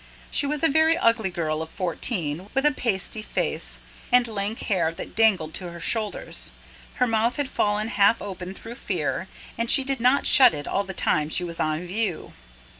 She was a very ugly girl of fourteen, with a pasty face, and lank hair that dangled to her shoulders. Her mouth had fallen half open through fear, and she did not shut it all the time she was on view.